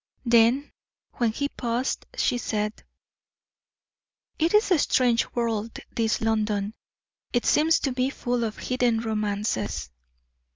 Then, when he paused, she said: "It is a strange world, this London; it seems to me full of hidden romances."